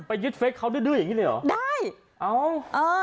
ไปยึดเฟซเขาดื้ออย่างนี้เลยเหรอ